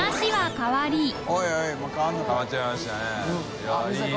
変わっちゃいましたね。